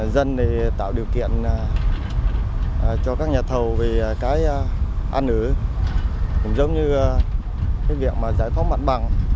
dân tạo điều kiện cho các nhà thầu về cái an ứ cũng giống như cái việc giải phóng mạng bằng